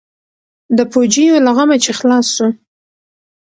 د پوجيو له غمه چې خلاص سو.